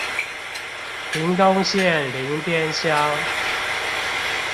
屏東縣林邊鄉